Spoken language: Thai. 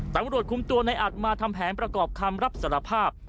ตำรวจคุมตัวในอัดมาทำแผนประกอบคำรับสารภาพ